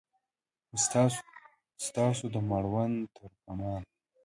ستا د مړوند ترکمان